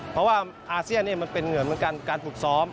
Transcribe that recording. เพราะว่าอาเซียนเองมันเป็นเหมือนกันการปรุกซ้อม